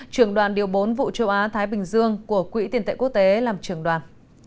trưởng đoàn điều bốn vụ châu á thái bình dương của quỹ tiền tệ quốc tế làm trưởng đoàn